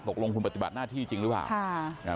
ตกลงคุณปฏิบัติหน้าที่จริงหรือเปล่า